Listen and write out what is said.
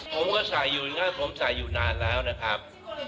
ผมก็ใส่อยู่นะครับผมใส่อยู่นานแล้วนะครับ